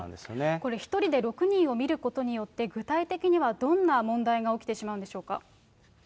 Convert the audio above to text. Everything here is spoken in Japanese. これ、１人で６人を見ることによって、具体的にはどんな問題が起きてしまうんでしょうか。